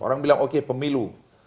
orang bilang oke pemilu